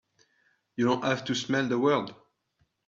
You don't have to smell the world!